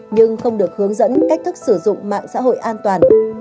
nhưng không được hướng dẫn cách thức sử dụng mạng xã hội an toàn